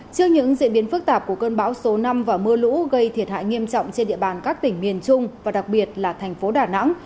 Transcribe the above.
trước những diễn biến phức tạp của cơn bão số năm và mưa lũ gây thiệt hại nghiêm trọng trên địa bàn các tỉnh miền trung và đặc biệt là thành phố đà nẵng